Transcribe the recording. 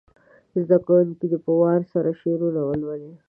زده کوونکي دې په وار سره شعر ولولي.